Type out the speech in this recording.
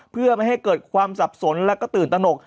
เพื่อไม่ให้เกิดความสับสนและก็ตื่นตนก